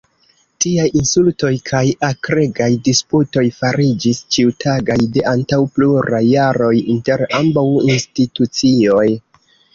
Tiaj insultoj kaj akregaj disputoj fariĝis ĉiutagaj de antaŭ pluraj jaroj inter ambaŭ institucioj.